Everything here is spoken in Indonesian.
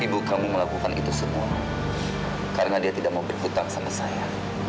ibu kamu melakukan itu semua karena dia tidak mau berhutang sama saya